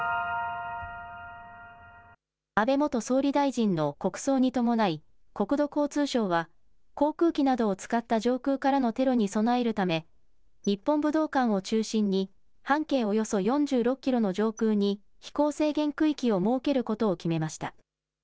安倍元総理大臣の国葬に伴い国土交通省は航空機などを使った上空からのテロに備えるため日本武道館を中心に半径およそ４６キロの上空に飛行制限区域を設けることを決めました。